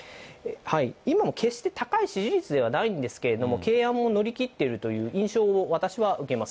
今も決して高い支持率ではないんですけれども、懸案を乗り切っているという印象を私は受けます。